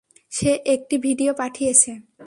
সে একটি ভিডিও পাঠিয়েছে।